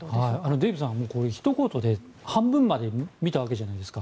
デーブさん、半分まで見たわけじゃないですか。